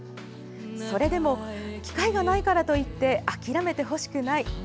それでも機械がないからといって諦めてほしくない。